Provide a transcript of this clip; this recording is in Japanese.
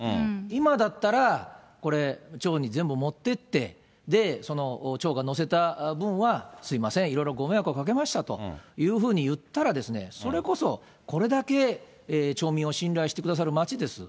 今だったら、これ、町に全部持ってって、町が乗せた分は、すみません、いろいろご迷惑をかけましたというふうに言ったら、それこそこれだけ町民を信頼してくださる町です。